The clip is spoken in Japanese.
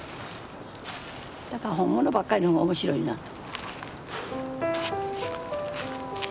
だから本物ばっかりの方が面白いなと。